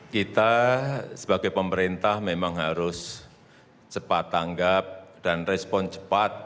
kita sebagai pemerintah memang harus cepat tanggap dan respon cepat